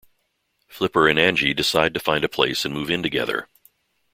Flipper and Angie decide to find a place and move in together.